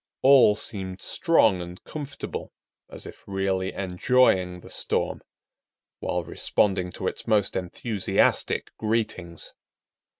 All seemed strong and comfortable, as if really enjoying the storm, while responding to its most enthusiastic greetings.